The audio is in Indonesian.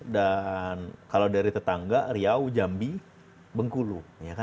dan kalau dari tetangga riau jambi bengkulu